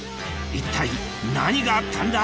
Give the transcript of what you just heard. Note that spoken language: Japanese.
一体何があったんだ？